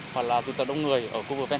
hoặc là tụ tập đông người ở khu vực